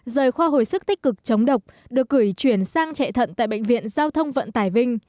rời khoa hồi sức tích cực chống độc được gửi chuyển sang chạy thận tại bệnh viện giao thông vận tải vinh